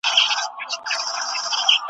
انعکلس ورکوي .